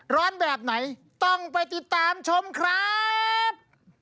แบบไหนต้องไปติดตามชมครับ